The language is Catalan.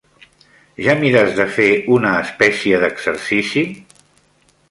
Ja mires de fer una espècie d'exercici?